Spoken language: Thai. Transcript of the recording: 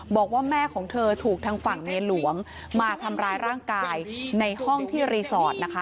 บอกว่าแม่ของเธอถูกทางฝั่งเมียหลวงมาทำร้ายร่างกายในห้องที่รีสอร์ทนะคะ